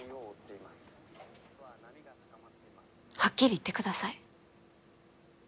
はっきり言ってください。